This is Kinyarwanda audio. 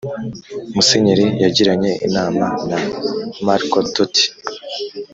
musenyeri yagiranye inama na marco toti,